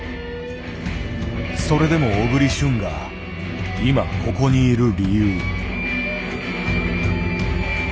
それでも小栗旬が今ここにいる理由。